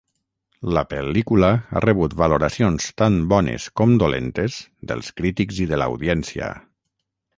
La pel·lícula ha rebut valoracions tant bones com dolentes dels crítics i de l'audiència.